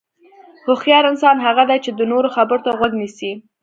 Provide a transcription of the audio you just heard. هوښیار انسان هغه دی چې د نورو خبرو ته غوږ نیسي.